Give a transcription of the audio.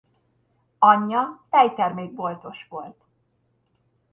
Anyja tejtermék-boltos volt.